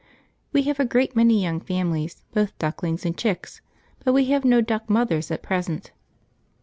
We have a great many young families, both ducklings and chicks, but we have no duck mothers at present.